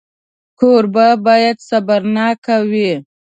کوربه باید صبرناک وي.